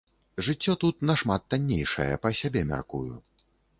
Жыццё тут нашмат таннейшае, па сабе мяркую.